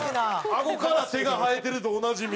あごから手が生えてるでおなじみ。